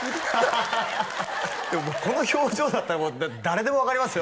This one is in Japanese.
ハハハでもこの表情だったら誰でも分かりますよ